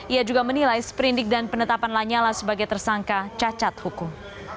ia juga menilai sprindik dan penetapan lanyala sebagai tersangka cacat hukum